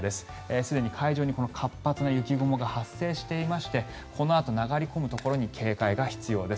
すでに海上に活発な雪雲が発生していましてこのあと流れ込むところに警戒が必要です。